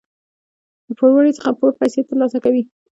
د پوروړي څخه پوره پیسې تر لاسه کوي.